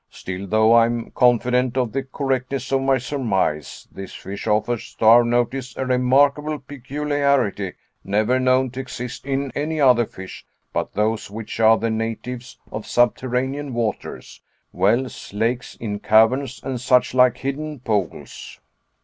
Still, though I am confident of the correctness of my surmise, this fish offers to our notice a remarkable peculiarity, never known to exist in any other fish but those which are the natives of subterranean waters, wells, lakes, in caverns, and suchlike hidden pools."